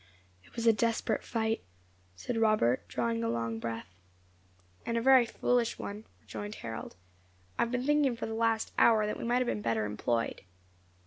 "It was a desperate fight," said Robert, drawing a long breath. "And a very foolish one," rejoined Harold. "I have been thinking for the last hour that we might have been better employed."